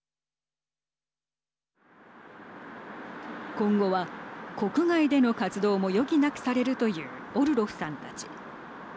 今後は国外での活動も余儀なくされるというオルロフさんたち。